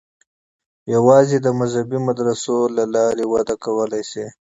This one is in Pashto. یوازې د مذهبي مدرسو له لارې وده کولای شي.